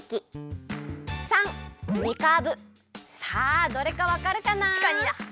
さあどれかわかるかな？